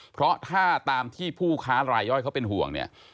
เพราะถ้าตามที่ผู้ค้ารายย่อยเขาเป็นห่วงเนี่ย